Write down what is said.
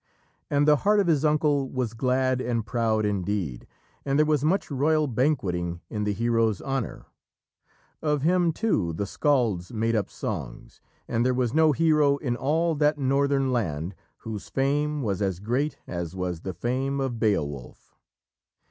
And the heart of his uncle was glad and proud indeed, and there was much royal banqueting in the hero's honour. Of him, too, the scalds made up songs, and there was no hero in all that northern land whose fame was as great as was the fame of Beowulf.